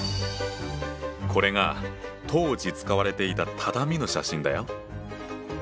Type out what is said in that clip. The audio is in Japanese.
これが当時使われていた畳の写真だよ。